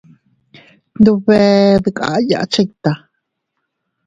Tndube dkaya chikta.